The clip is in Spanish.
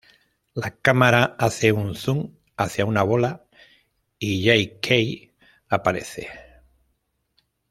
La cámara hace un zoom hacia una bola y Jay Kay aparece.